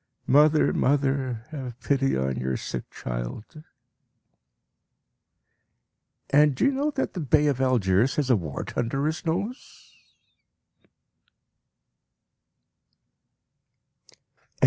Mother, mother, have pity on your sick child! And do you know that the Bey of Algiers has a wart under his nose?